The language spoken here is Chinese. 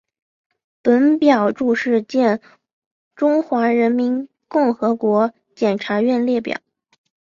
本表注释见中华人民共和国检察院列表。